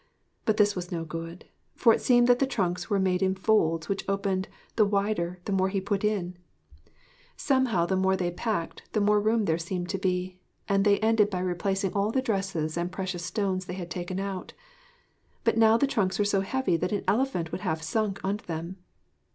But this was no good: for it seemed that the trunks were made in folds which opened the wider the more he put in. Somehow the more they packed, the more room there seemed to be, and they ended by replacing all the dresses and precious stones they had taken out. But now the trunks were so heavy that an elephant would have sunk under them.